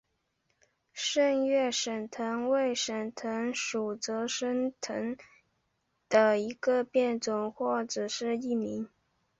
滇越省藤为省藤属泽生藤的一个变种或只是异名。